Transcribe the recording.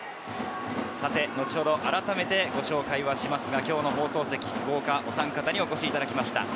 後ほどあらためてご紹介はしますが、今日の放送席、豪華おさん方にお越しいただきました。